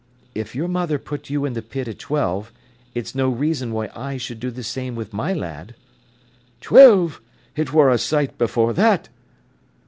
"If your mother put you in the pit at twelve, it's no reason why I should do the same with my lad." "Twelve! It wor a sight afore that!"